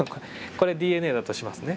これＤＮＡだとしますね。